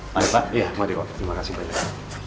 mari pak iya mari om terima kasih banyak